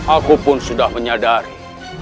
aku pun sudah menyadari